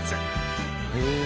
へえ！